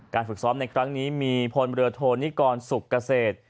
ฝึกซ้อมในครั้งนี้มีพลเรือโทนิกรสุกเกษตร